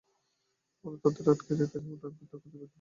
পরে তাঁদের সেখানে আটকে রেখে মোটা অঙ্কের টাকা চাঁদা দাবি করে।